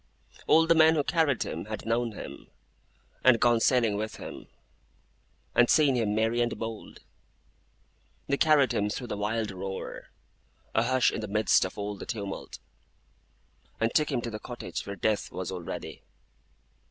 All the men who carried him had known him, and gone sailing with him, and seen him merry and bold. They carried him through the wild roar, a hush in the midst of all the tumult; and took him to the cottage where Death was already.